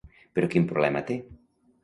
Però quin problema té?